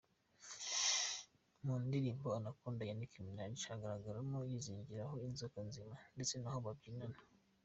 Mu ndirimbo Anaconda ya Nicky Minaj, agaragaramo yizingirizaho inzoka nzima ndetse n’abo babyinana.